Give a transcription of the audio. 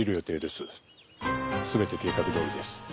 すべて計画どおりです。